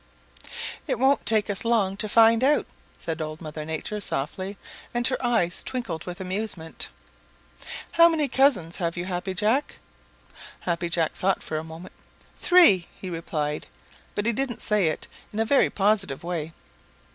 "It won't take us long to find out," said Old Mother Nature softly and her eyes twinkled with amusement. "How many cousins have you, Happy Jack?" Happy Jack thought for a moment. "Three," he replied, but he didn't say it in a very positive way.